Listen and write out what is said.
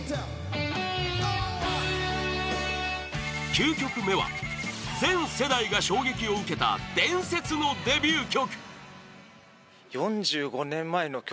９曲目は全世代が衝撃を受けた伝説のデビュー曲！